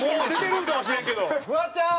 フワちゃん。